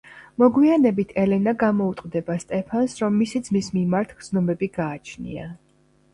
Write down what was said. მოგვიანებით ელენა გამოუტყდება სტეფანს, რომ მისი ძმის მიმართ გრძნობები გააჩნია.